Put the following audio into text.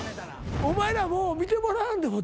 お前らもう見てもらわんでも。